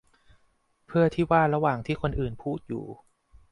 เพื่อที่ว่าระหว่างที่คนอื่นพูดอยู่